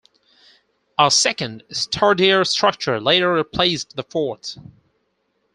A second, sturdier structure later replaced the fort.